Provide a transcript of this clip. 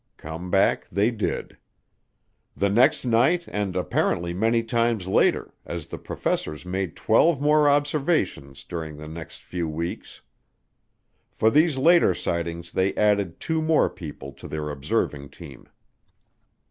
Come back they did. The next night and apparently many times later, as the professors made twelve more observations during the next few weeks. For these later sightings they added two more people to their observing team.